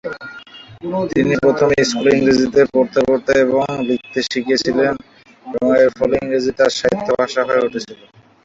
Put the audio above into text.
তিনি প্রথমে স্কুলে ইংরেজিতে পড়তে এবং লিখতে শিখেছিলেন এবং এর ফলে ইংরেজি তার "সাহিত্য ভাষা" হয়ে উঠেছিল।